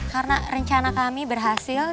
karena rencana kami berhasil